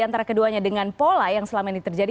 antara keduanya dengan pola yang selama ini terjadi